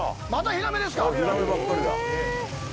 ヒラメばっかりだ。